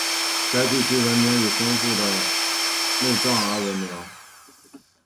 该地区的文明以丰富的墓葬而闻名。